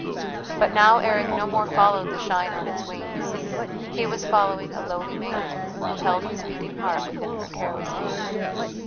But now Eric no more followed the shine on its wings; he was following a lowly maiden who held his beating heart within her careless hand.